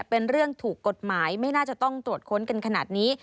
เป็นเรื่องถูกกฎหมายไม่น่าจะต้องตรวจค้นกันขนาดนี้